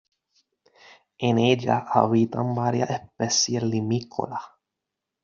En ellas habitan varias especies limícolas.